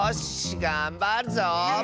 がんばるぞ！